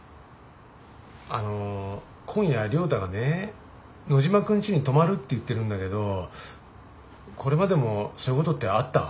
あの今夜亮太がね野嶋くんちに泊まるって言ってるんだけどこれまでもそういうことってあった？